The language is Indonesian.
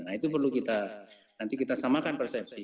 nah itu perlu kita nanti kita samakan persepsi